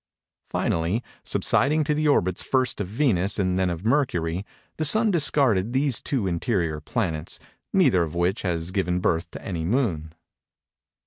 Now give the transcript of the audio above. Finally, subsiding to the orbits first of Venus and then of Mercury, the Sun discarded these two interior planets; neither of which has given birth to any moon.